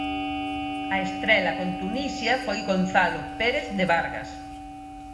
A estrela con Tunisia foi Gonzalo Pérez de Vargas.